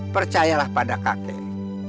percayalah pada kakek